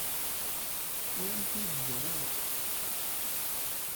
Ur am-ten-id-ǧǧan ara.